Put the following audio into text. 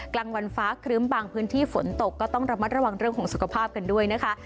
กลางวันฟ้าครึ้มบางพื้นที่ฝนตกก็ต้องระมัดระวังเรื่องของสุขภาพกันด้วยนะคะ